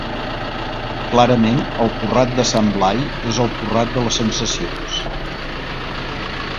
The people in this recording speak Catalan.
Clarament el Porrat de Sant Blai és el Porrat de les sensacions.